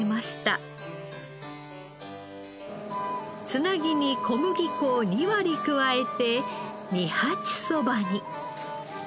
つなぎに小麦粉を２割加えて二八そばに。